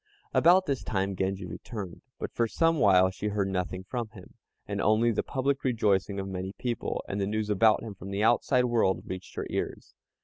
About this time Genji returned, but for some while she heard nothing from him, and only the public rejoicing of many people, and the news about him from the outside world reached her ears.